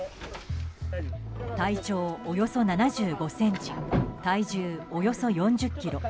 体長およそ７５ｃｍ体重およそ４０ｋｇ。